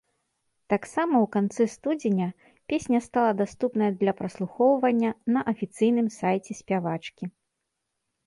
Таксама ў канцы студзеня песня стала даступная для праслухоўвання на афіцыйным сайце спявачкі.